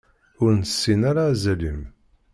Ur nessin ara azal-im.